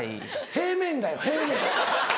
平面だよ平面。